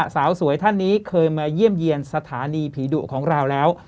สาวสวยท่านนี้เคยมาเยี่ยมเยี่ยมสถานีผีดุของเราแล้ว